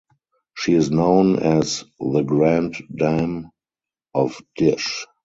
She is known as "The Grand Dame of Dish".